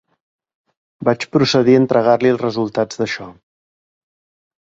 Vaig procedir a entregar-li els resultats d'això.